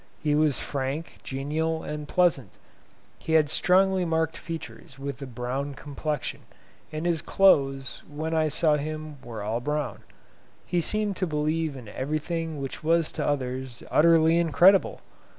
He was frank, genial, and pleasant. He had strongly marked features, with a brown complexion, and his clothes, when I saw him, were all brown. He seemed to believe in everything which was to others utterly incredible.